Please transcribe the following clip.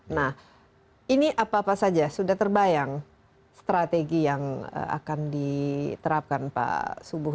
nah ini apa apa saja sudah terbayang strategi yang akan diterapkan pak subuh